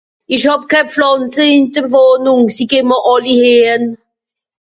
Ìch hàb ké Pflànze ìn de Wohnùng, sie geh m'r àlli (...).